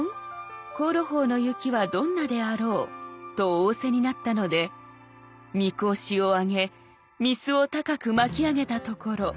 香炉峰の雪はどんなであろう』と仰せになったので御格子を上げ御簾を高く巻き上げたところ